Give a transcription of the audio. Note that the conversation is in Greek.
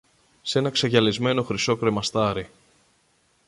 σ' ένα ξεγυαλισμένο χρυσό κρεμαστάρι